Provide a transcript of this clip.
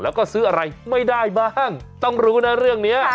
แล้วก็ซื้ออะไรไม่ได้บ้างต้องรู้นะเรื่องนี้